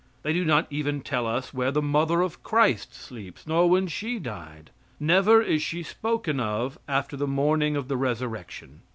They do not even tell us where the mother of Christ sleeps, nor when she died. Never is she spoken of after the morning of the resurrection.